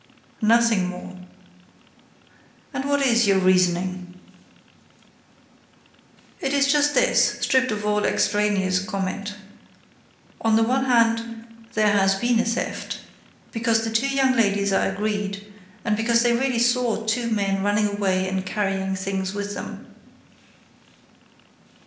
"Nothing more." "And what is your reasoning?" "It is just this, stripped of all extraneous comment: on the one hand, there has been a theft, because the two young ladies are agreed and because they really saw two men running away and carrying things with them."